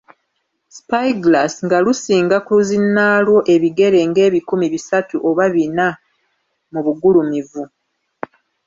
Spy-glass nga lusinga ku zinnaalwo ebigere ng'ebikumi bisatu oba bina mu bugulumivu.